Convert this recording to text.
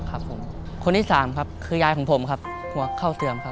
คนที่๓คือหญายผมหัวเข้าเสื่อม